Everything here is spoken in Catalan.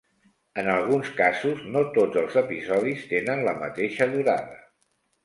En alguns casos no tots els episodis tenen la mateixa durada.